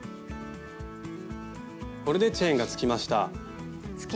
これでチェーンがつきました。